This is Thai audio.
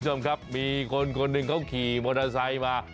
คุณผู้ชมครับมีคนคนหนึ่งเขาขี่มอเตอร์ไซค์มา